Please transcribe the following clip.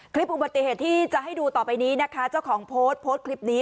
คลิปอุบัติเหตุที่จะให้ดูต่อไปนี้นะคะเจ้าของโพสต์โพสต์คลิปนี้